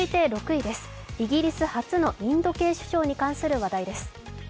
６位、イギリス初のインド系首相に関する話題です。